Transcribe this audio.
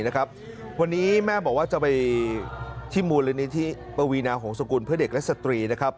วันนี้แม่บอกว่าจะไปที่มูลนิธิปวีนาหงษกุลเพื่อเด็กและสตรีนะครับ